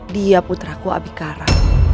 dia putraku abikara